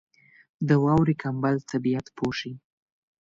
• د واورې کمبل طبیعت پوښي.